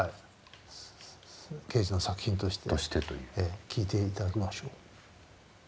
ケージの作品として聴いて頂きましょう。